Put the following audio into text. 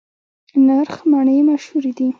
نرخ مڼې مشهورې دي؟